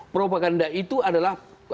propaganda itu adalah